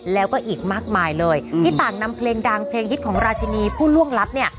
แล้วก็อีกมากมายเลยที่ต่างนำเพลงดังเพลงฮิตของราชินีผู้ล่วงลับเนี่ย